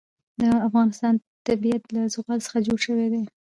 د افغانستان طبیعت له زغال څخه جوړ شوی دی.